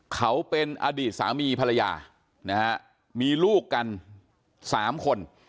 เขาเป็นอดีตสามีภรรยานะฮะมีลูกกัน๓คน